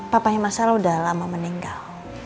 papanya mas al udah lama meninggal